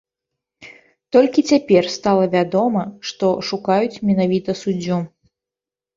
Толькі цяпер стала вядома, што шукаюць менавіта суддзю.